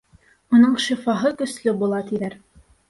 Уның шифаһы көслө була, тиҙәр.